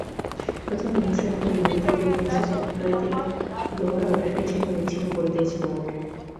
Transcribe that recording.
প্রথম ইনিংসের মতো দ্বিতীয় ইনিংসেও সফরকারীদের লোয়ার অর্ডারকে ছিন্নভিন্ন করে দিয়েছেন বোল্ট।